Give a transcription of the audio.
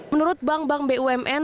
menurut bank bank bumn